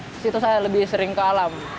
di situ saya lebih sering ke alam